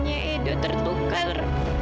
hanya edo tertukar